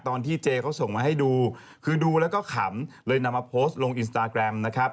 ตอนที่เจเขาส่งมาให้ดูคือดูแล้วก็ขำเลยนำมาโพสต์ลงอินสตาแกรมนะครับ